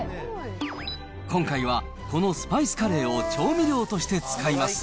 今回はこのスパイスカレーを調味料として使います。